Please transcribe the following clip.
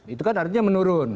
itu kan artinya menurun